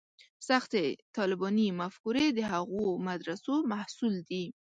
سختې طالباني مفکورې د هغو مدرسو محصول دي.